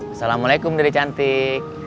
assalamualaikum dede cantik